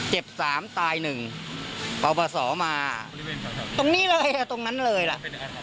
เจ็บตายหนึ่งเอาผสมาตรงนี้เลยตรงนั้นเลยระ